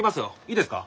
いいですか？